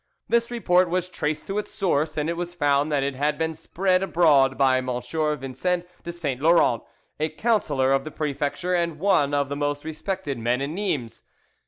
This report was traced to its source, and it was found that it had been spread abroad by M. Vincent de Saint Laurent, a councillor of the Prefecture and one of the most respected men in Nimes.